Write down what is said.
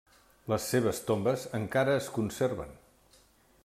Les seves tombes encara es conserven.